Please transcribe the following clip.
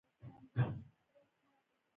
چې د بېړۍ ټول اووه عمله یې ووژل.